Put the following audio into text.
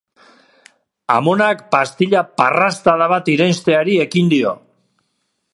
Amonak pastilla-parrastada bat irensteari ekin dio.